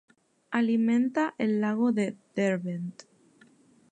Alimenta el lago de Derbent.